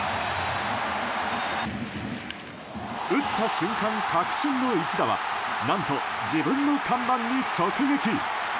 打った瞬間、確信の一打は何と、自分の看板に直撃。